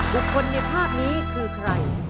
แล้วคนในภาพนี้คือใคร